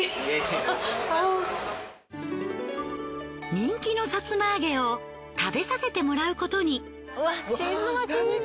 人気のさつま揚げを食べさせてもらうことに。